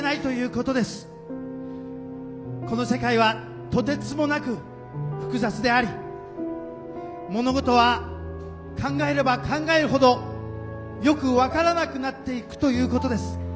この世界はとてつもなく複雑であり物事は考えれば考えるほどよく分からなくなってゆくということです。